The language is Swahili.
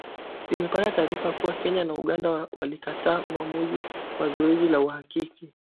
limepata taarifa kuwa Kenya na Uganda walikataa uamuzi wa zoezi la uhakiki